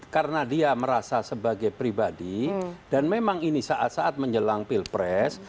karena dia merasa sebagai pribadi dan memang ini saat saat menjelang pilpres